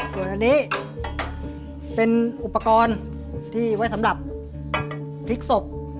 ส่วนอันนี้เป็นอุปกรณ์ที่ไว้สำหรับพริกศพ